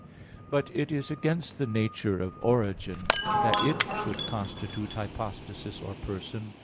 But it is against the nature of origin that it should constitute hypostasis or person.